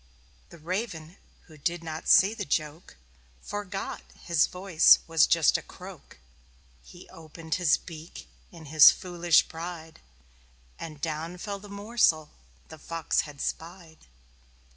The Raven, who did not see the joke, Forgot that his voice was just a croak. He opened his beak, in his foolish pride And down fell the morsel the Fox had spied.